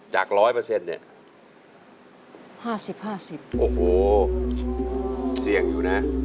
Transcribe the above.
๒๐๐๐๐๐บาทรอพี่อยู่